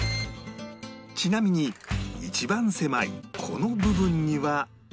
ちなみに一番狭いこの部分には